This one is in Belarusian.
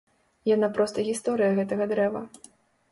Яна проста гісторыя гэтага дрэва.